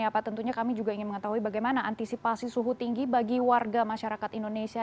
apa tentunya kami juga ingin mengetahui bagaimana antisipasi suhu tinggi bagi warga masyarakat indonesia